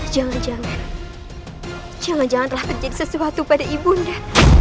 jangan jangan jangan jangan telah terjadi sesuatu pada ibu nda